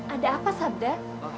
ada apa sabda